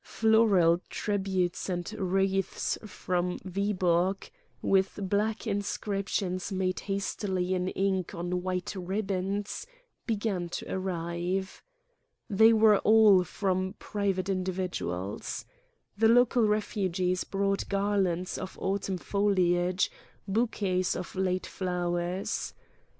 Floral tributes and wreaths from Viborg, with black in scriptions made hastily in ink on white ribbons, began to arrive. They were all from private in dividuals. The local refugees brought garlands of autumn foliage, bouquets of late flowers.